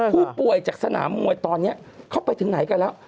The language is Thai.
ผู้ป่วยจากสนามมวยตอนนี้เข้าไปถึงไหนกันแล้ว